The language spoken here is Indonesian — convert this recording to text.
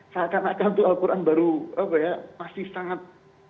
seakan akan al quran masih sangat